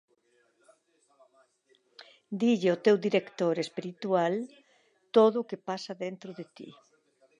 Dille ó teu director espiritual todo que pasa dentro de ti.